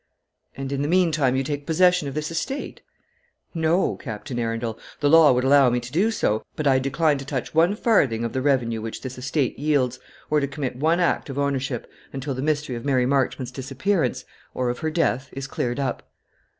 "And in the meantime you take possession of this estate?" "No, Captain Arundel. The law would allow me to do so; but I decline to touch one farthing of the revenue which this estate yields, or to commit one act of ownership, until the mystery of Mary Marchmont's disappearance, or of her death, is cleared up."